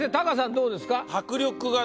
どうですか？